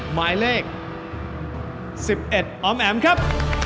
หมายเลข๑๑ออมแอ๋มครับ